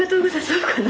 そうかな。